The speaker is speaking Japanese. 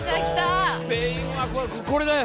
スペインはこれこれだよ！